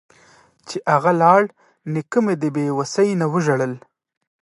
چې اغه لاړ نيکه مې د بې وسۍ نه وژړل.